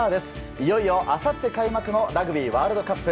いよいよ、あさって開幕のラグビーワールドカップ。